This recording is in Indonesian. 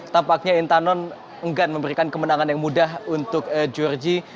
tampaknya intanon enggak memberikan kemenangan yang mudah untuk georgia